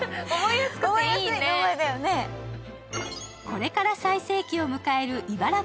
これから最盛期を迎えるイバラ